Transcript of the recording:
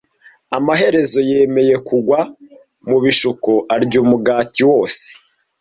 Amaherezo yemeye kugwa mu bishuko arya umugati wose.